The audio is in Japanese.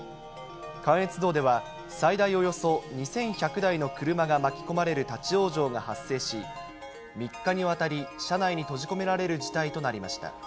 関越道では、最大およそ２１００台の車が巻き込まれる立往生が発生し、３日にわたり、車内に閉じ込められる事態となりました。